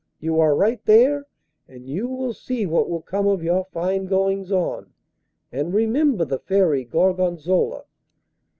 'You are right there, and you will see what will come of your fine goings on, and remember the Fairy Gorgonzola!